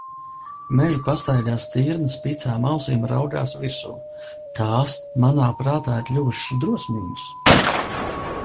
Meža pastaigā stirna spicām ausīm raugās virsū, tās manā prātā ir kļuvušas drosmīgas.